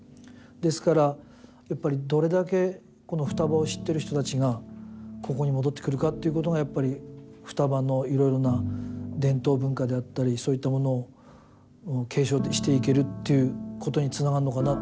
ですから、やっぱりどれだけこの双葉を知ってる人たちがここに戻ってくるかということが双葉のいろいろな伝統文化であったりそういったものを継承していけるっていうことにつながるのかな。